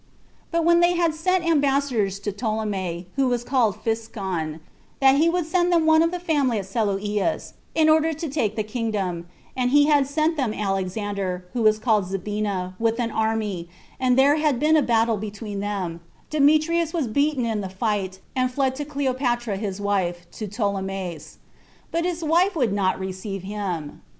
But when they had sent ambassadors to Ptolemy, who was called Physcon, that he would send them one of the family at Seleueus, in order to take the kingdom, and he had sent them Alexander, who was called Zebina, with an army, and there had been a battle between them, Demetrius was beaten in the fight, and fled to Cleopatra his wife, to Ptolemais; but his wife would not receive him.